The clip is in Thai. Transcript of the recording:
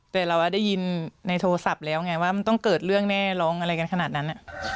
แต่เราได้ยินในโทรศัพท์แล้วไงว่ามันต้องเกิดเรื่องแน่ร้องอะไรกันขนาดนั้น